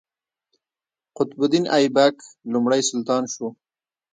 قطب الدین ایبک لومړی سلطان شو.